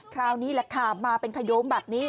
คราวนี้แหละค่ะมาเป็นขยมแบบนี้